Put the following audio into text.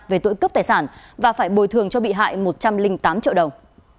về tội cướp tài sản và phải bồi thường cho bị hại một trăm linh tám triệu đồng